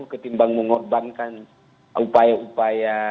ketimbang mengorbankan upaya upaya